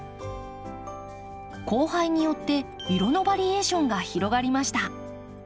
交配によって色のバリエーションが広がりました。